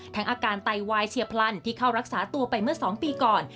อาการไตวายเฉียบพลันที่เข้ารักษาตัวไปเมื่อ๒ปีก่อน